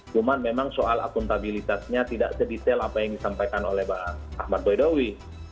cuman memang soal akuntabilitasnya tidak sedetail apa yang disampaikan oleh bang ahmad boydowi